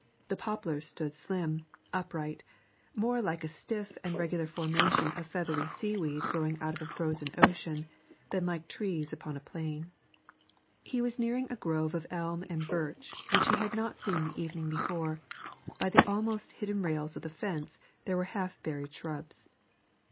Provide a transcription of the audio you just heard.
The poplars stood slim, upright, more like a stiff and regular formation of feathery seaweed growing out of a frozen ocean than like trees upon a plain. He was nearing a grove of elm and birch which he had not seen the evening before; by the almost hidden rails of the fence there were half buried shrubs.